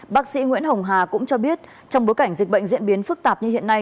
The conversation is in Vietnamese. bác sĩ nguyễn hồng hà cũng cho biết trong bối cảnh dịch bệnh diễn biến phức tạp như hiện nay